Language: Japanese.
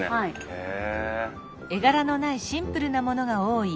へえ。